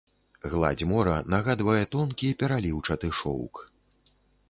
Гладзь мора нагадвае тонкі пераліўчаты шоўк.